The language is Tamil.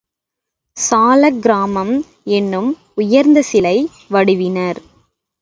சாளக் கிராமம் என்னும் உயர்ந்த சிலை வடிவினர்.